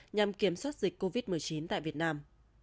nhằm kiểm soát dịch covid một mươi chín tại việt nam